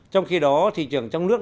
trong khi đó thị trường trong nước